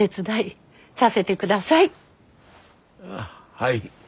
はい。